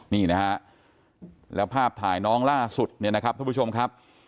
นี่นะฮะแล้วภาพถ่ายน้องล่าสุดเนี่ยนะครับทุกผู้ชมครับ